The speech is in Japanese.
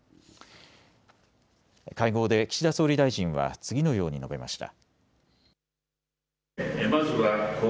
会合で岸田総理大臣は次のように述べました。